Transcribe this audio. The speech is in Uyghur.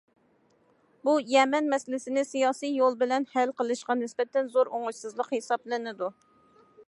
بۇ، يەمەن مەسىلىسىنى سىياسىي يول بىلەن ھەل قىلىشقا نىسبەتەن زور ئوڭۇشسىزلىق ھېسابلىنىدۇ.